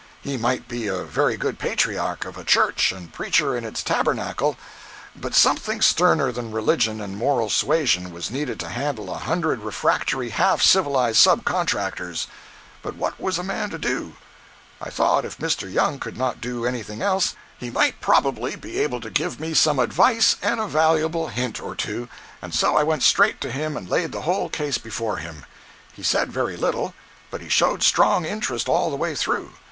He might be a very good patriarch of a church and preacher in its tabernacle, but something sterner than religion and moral suasion was needed to handle a hundred refractory, half civilized sub contractors. But what was a man to do? I thought if Mr. Young could not do anything else, he might probably be able to give me some advice and a valuable hint or two, and so I went straight to him and laid the whole case before him. He said very little, but he showed strong interest all the way through.